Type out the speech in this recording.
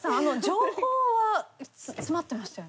情報は詰まってましたよね？